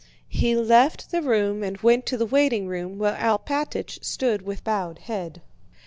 He left the room and went to the waiting room where Alpátych stood with bowed head.